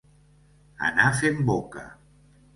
Anar fent boca.